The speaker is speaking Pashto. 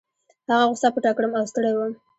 هغه غوسه پټه کړم او ستړی وم.